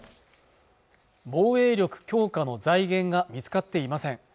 防衛力強化の財源が見つかっていません